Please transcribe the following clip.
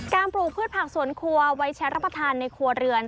ปลูกพืชผักสวนครัวไว้ใช้รับประทานในครัวเรือน